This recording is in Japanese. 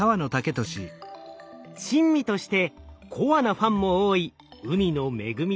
珍味としてコアなファンも多い海の恵みですが。